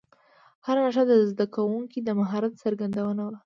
هره نښه د زده کوونکو د مهارت څرګندونه وه.